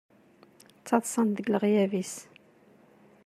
Ttaḍsan-t deg leɣyab-is.